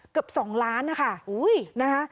เกือบ๒ล้านนะคะ